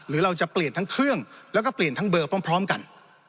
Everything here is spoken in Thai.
หรือเราจะเปลี่ยนทั้งเครื่องแล้วก็เปลี่ยนทั้งเบอร์พร้อมกัน